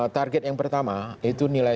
target yang pertama itu nilai